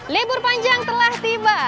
libur panjang telah tiba